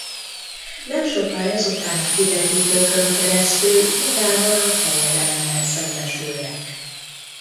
Nem sokkal ezután a kivetítőkön keresztül magával a Fejedelemmel szembesülnek.